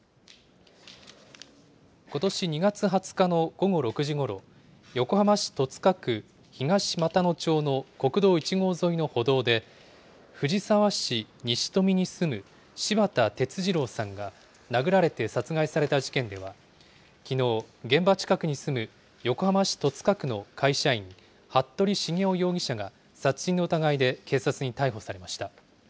ことし２月２０日の午後６時ごろ、横浜市戸塚区東俣野町の国道１号沿いの歩道で、藤沢市西富に住む柴田哲二郎さんが、殴られて殺害された事件では、きのう、現場近くに住む横浜市戸塚区の会社員、服部繁雄容疑者が殺人の疑いで警察に逮捕されました。